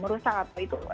merusak atau itu